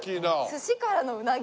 寿司からのうなぎ？